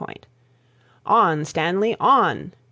On, Stanley, on!"